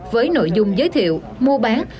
với nội dung giới thiệu mua bán